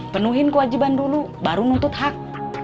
penuhi kewajiban dulu baru nuntut hak